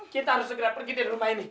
kita harus segera pergi dari rumah ini